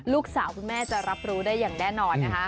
คุณแม่จะรับรู้ได้อย่างแน่นอนนะคะ